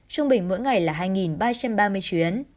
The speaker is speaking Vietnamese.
trung bình mỗi ngày là hai ba trăm ba mươi chuyến